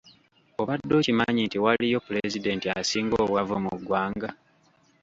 Obadde okimanyi nti waliyo pulezidenti asinga obwavu mu ggwanga?